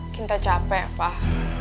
kinta capek pak